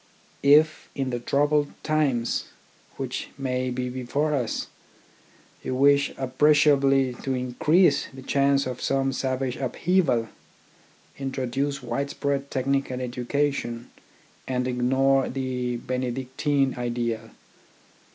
If, in the troubled times which may be before us, you wish appre ciably to increase the chance of some savage upheaval, introduce widespread technical educa tion and ignore the Benedictine ideal.